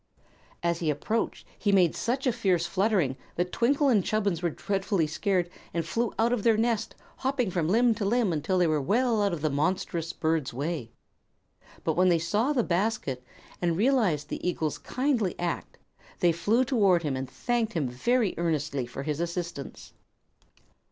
As he approached he made such a fierce fluttering that Twinkle and Chubbins were dreadfully scared and flew out of their nest, hopping from limb to limb until they were well out of the monstrous bird's way. But when they saw the basket, and realized the eagle's kindly act, they flew toward him and thanked him very earnestly for his assistance.